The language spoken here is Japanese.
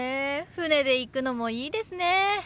船で行くのもいいですね。